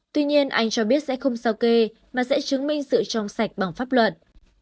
tuy nhiên anh cho biết sẽ không sau kê mà sẽ chứng minh sự trong sạch bằng pháp luật